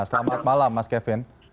selamat malam mas kevin